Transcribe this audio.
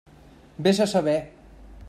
Vés a saber.